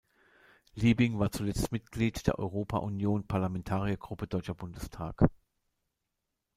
Liebing war zuletzt Mitglied der Europa-Union Parlamentariergruppe Deutscher Bundestag.